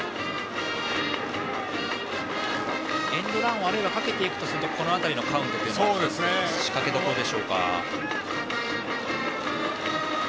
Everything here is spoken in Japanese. エンドランをかけていくとするとこの辺りのカウントが仕掛けどころか。